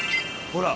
ほら。